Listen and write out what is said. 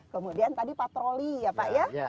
kemudian tadi patroli ya pak ya